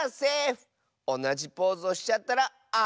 おなじポーズをしちゃったらアウトだよ。